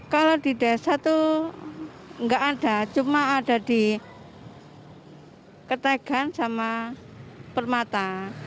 kalau di desa itu nggak ada cuma ada di ketegan sama permata